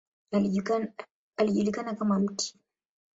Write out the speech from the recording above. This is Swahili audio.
Alijulikana kama ""Mt.